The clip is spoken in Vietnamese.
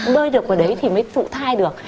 bơi được vào đấy thì mới thụ thai được